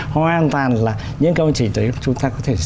hoàn toàn là những công trình đấy chúng ta có thể sử dụng